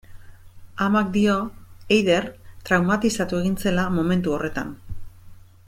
Amak dio Eider traumatizatu egin zela momentu horretan.